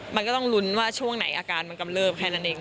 มันก็ต้องลุ้นว่าช่วงไหนอาการมันกำเลิบแค่นั้นเอง